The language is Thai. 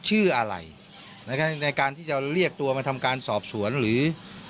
ชื่ออะไรนะครับในการที่จะเรียกตัวมาทำการสอบสวนหรือ